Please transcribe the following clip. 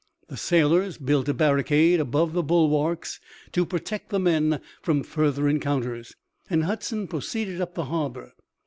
The sailors built a barricade above the bulwarks to protect the men from further encounters, and Hudson proceeded up the harbor.